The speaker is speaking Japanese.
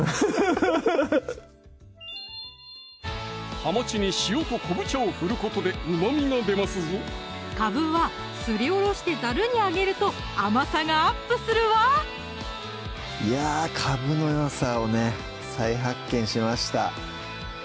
はまちに塩と昆布茶を振ることでうま味が出ますぞかぶはすりおろしてざるにあげると甘さがアップするわいやかぶのよさをね再発見しました